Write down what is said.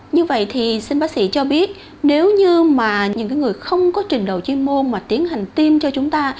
như vậy thì xin bác sĩ cho biết nếu như mà những người không có trình độ chuyên môn mà tiến hành tiêm cho chúng ta